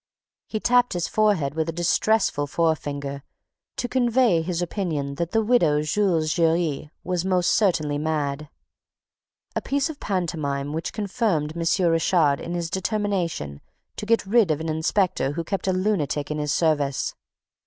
He tapped his forehead with a distressful forefinger, to convey his opinion that the widow Jules Giry was most certainly mad, a piece of pantomime which confirmed M. Richard in his determination to get rid of an inspector who kept a lunatic in his service.